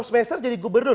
empat semester jadi gubernur